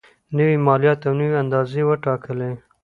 نوي مالیات او نوي اندازې یې وټاکلې.